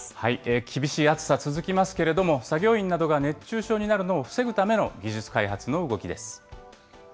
厳しい暑さ、続きますけれども、作業員などが熱中症になるのを防ぐための技術開発の動きです。